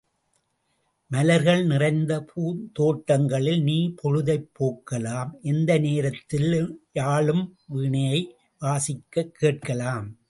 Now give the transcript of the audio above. மலர்கள் நிறைந்த பூந்தோட்டங்களில் நீ பொழுதைப் போக்கலாம் எந்த நேரத்திலும் யாழும் வீணையும் வாசிக்கக் கேட்கலாம்.